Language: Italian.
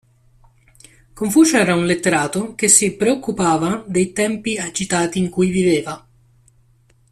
Confucio era un letterato che si preoccupava dei tempi agitati in cui viveva.